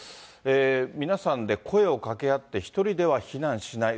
皆さんで声をかけ合って、１人では避難しない。